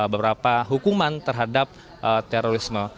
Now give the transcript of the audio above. beberapa hukuman terhadap terorisme